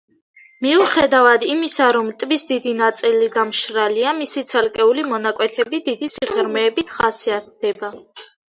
მიუხედავად იმისა, რომ ტბის დიდი ნაწილი დამშრალია, მისი ცალკეული მონაკვეთები დიდი სიღრმეებით ხასიათდება.